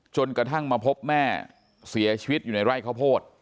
จนกระทั่งมาพบแม่เสียชีวิตอยู่ในไร่ข้าวโพด